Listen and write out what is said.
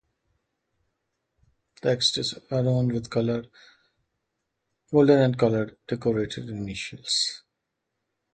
The text is adorned with golden and coloured decorated initials.